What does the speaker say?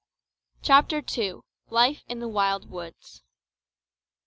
CHAPTER TWO. LIFE IN THE WILD WOODS.